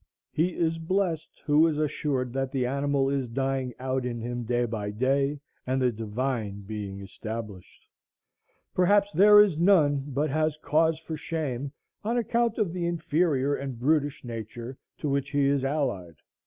He is blessed who is assured that the animal is dying out in him day by day, and the divine being established. Perhaps there is none but has cause for shame on account of the inferior and brutish nature to which he is allied.